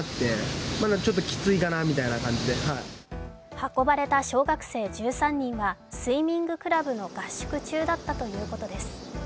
運ばれた小学生１３人はスイミングクラブの合宿中だったということです。